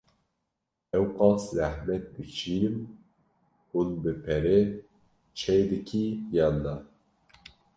Ewqas zehmet dikşînin hûn bi pere çê dikî yan na?